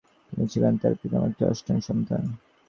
তিনি ছিলেন তার পিতামাতার অষ্টম সন্তান।